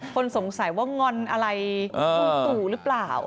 คนสงสัยว่างอนอะไรลุงตู่หรือเปล่า